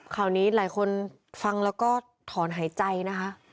ข่าวนี้หลายคนฟังแล้วก็ถอนหายใจนะคะ